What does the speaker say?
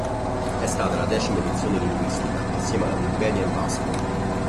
È stata la decima edizione linguistica, assieme alla Wikipedia in basco.